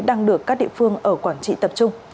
đang được các địa phương ở quảng trị tập trung